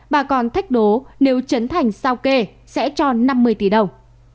bà còn thách đố nếu trấn thành sao kê sẽ cho năm mươi tỷ đồng